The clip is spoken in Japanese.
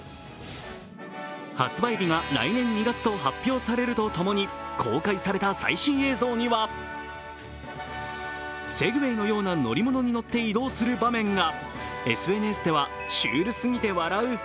発売日が来年２月と発表されるとともに公開された最新映像にはセグウェイのような乗り物に乗って移動する場面が。